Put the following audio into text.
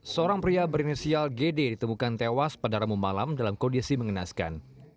seorang pria berinisial gd ditemukan tewas pada rabu malam dalam kondisi mengenaskan